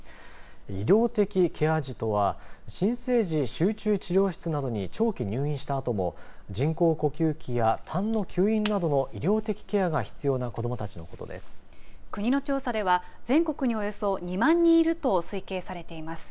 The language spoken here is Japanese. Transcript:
医療的ケア児とは新生児集中治療室などに長期入院したあとも人工呼吸器や、たんの吸引などの医療的ケアが必要な国の調査では全国におよそ２万人いると推計されています。